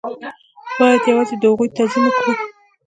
بايد يوازې د هغو تعظيم وکړو.